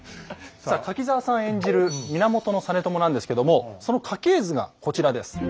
さあ柿澤さん演じる源実朝なんですけどもその家系図がこちらです。